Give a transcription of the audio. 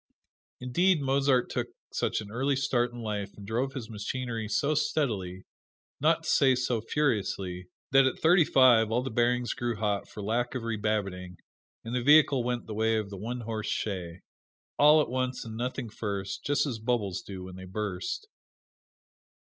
Indeed, Mozart took such an early start in life and drove his machinery so steadily, not to say so furiously, that at thirty five all the bearings grew hot for lack of rebabbitting, and the vehicle went the way of the one horse shay all at once and nothing first, just as bubbles do when they burst.